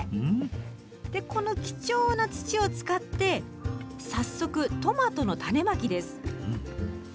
でこの貴重な土を使って早速トマトの種まきです。